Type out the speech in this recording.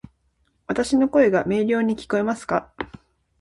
わたし（の声）が明瞭に聞こえますか？